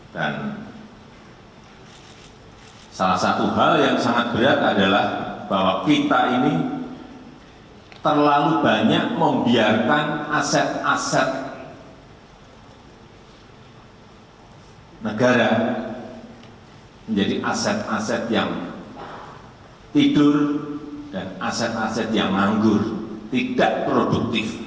dan salah satu hal yang sangat berat adalah bahwa kita ini terlalu banyak membiarkan aset aset negara menjadi aset aset yang tidur dan aset aset yang manggur tidak produktif